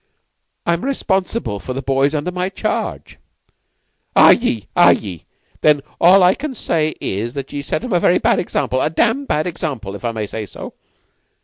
"I'm responsible for the boys under my charge." "Ye are, are ye? Then all I can say is that ye set them a very bad example a dam' bad example, if I may say so.